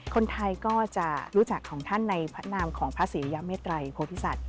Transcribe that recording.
คนไทยก็จะรู้จักของท่านในพระนามของพระศรียเมตรัยโพธิสัตว